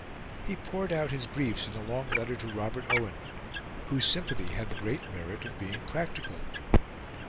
He poured out his griefs in a long letter to Robert Owen, whose sympathy had the great merit of being practical.